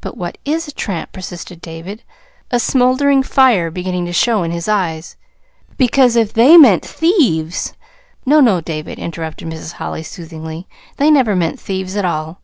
"But what is a tramp?" persisted David, a smouldering fire beginning to show in his eyes. "Because if they meant THIEVES " "No, no, David," interrupted Mrs. Holly soothingly. "They never meant thieves at all."